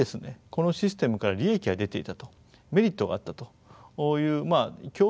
このシステムから利益が出ていたとメリットがあったという共